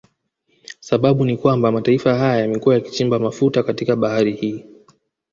Sababau ni kwamba mataifa haya yamekuwa yakichimba mafuta katika bahari hii